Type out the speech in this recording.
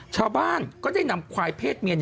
ชาวบ้านก็ได้นำควายเพศเมีย